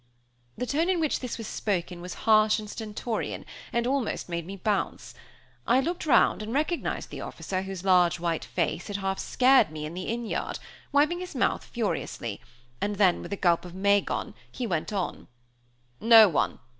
The tone in which this was spoken was harsh and stentorian, and almost made me bounce. I looked round and recognized the officer whose large white face had half scared me in the inn yard, wiping his mouth furiously, and then with a gulp of Magon, he went on: "No one!